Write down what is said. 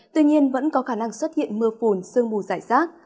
tuy nhiên vẫn có khả năng xuất hiện mưa phùn sương mù giải rác